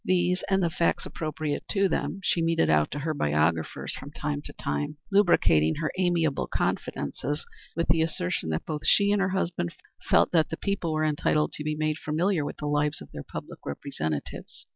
These, and the facts appropriate to them, she meted out to her biographers from time to time, lubricating her amiable confidences with the assertion that both she and her husband felt that the people were entitled to be made familiar with the lives of their public representatives.